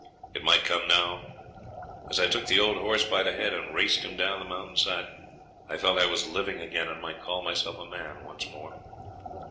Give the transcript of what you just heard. It might come now. As I took the old horse by the head and raced him down the mountain side, I felt I was living again and might call myself a man once more.